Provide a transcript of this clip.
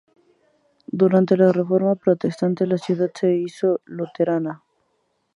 Durante la Reforma Protestante, la ciudad se hizo luterana.